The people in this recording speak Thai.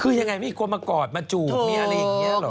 คือยังไงมีคนมากอดมาจูบมีอะไรอย่างนี้เหรอ